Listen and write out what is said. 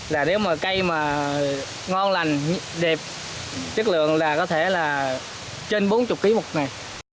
là nếu mà cây mà ngon lành đẹp chất lượng là có thể là trên bốn mươi kg một ngày